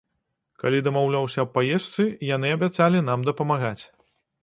Калі дамаўляўся аб паездцы, яны абяцалі нам дапамагаць.